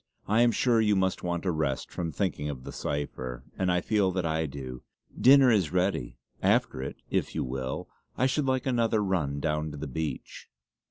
I am sure you must want a rest from thinking of the cipher, and I feel that I do. Dinner is ready; after it, if you will, I should like another run down to the beach."